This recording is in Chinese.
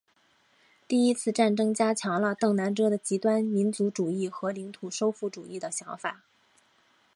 第一次战争加强了邓南遮的极端民族主义和领土收复主义的想法。